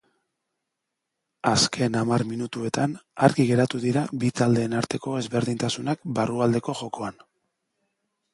Azken hamar minutuetan argi geratu dira bi taldeen arteko ezberdintasunak barrualdeko jokoan.